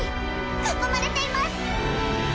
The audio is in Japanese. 囲まれています！